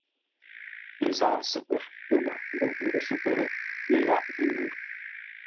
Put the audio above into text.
Ə́ zǎa səkwə̂r pə̂ wó mbó ghəpə́ səkwə̂r lə̂ ndághʼ ngʉ̌.